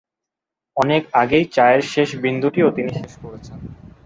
অনেক আগেই চায়ের শেষ বিন্দুটিও তিনি শেষ করেছেন।